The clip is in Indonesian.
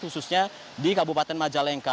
khususnya di kabupaten majalengka